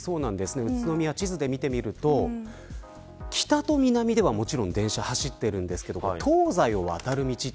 宇都宮を地図で見てみると北と南には電車が走っていますが東西を渡る道